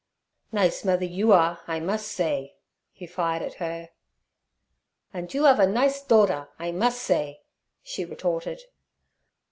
'Nise mother you are, I mus' say' he fired at her. 'Andt you 'ave a nise dotter, I mus' say' she retorted.